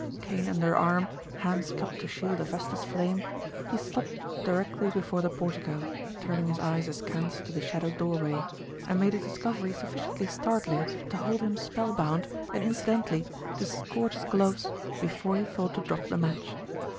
Cane under arm, hands cupped to shield a vesta's flame, he stopped directly before the portico, turning his eyes askance to the shadowed doorway; and made a discovery sufficiently startling to hold him spellbound and, incidentally, to scorch his gloves before he thought to drop the match.